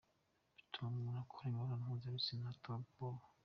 "Bituma umuntu akora imibonano mpuzabitsina ata bwoba.